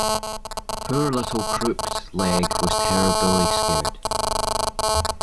Poor little Crooked-Leg was terribly scared.